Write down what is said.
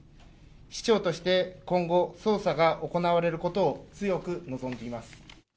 市長として今後、捜査が行われることを強く望んでいます。